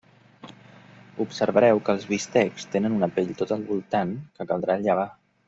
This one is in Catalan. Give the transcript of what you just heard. Observareu que els bistecs tenen una pell tot al voltant que caldrà llevar.